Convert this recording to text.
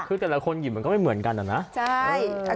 คือแต่ละคนหยิบมันก็ไม่เหมือนกันนะ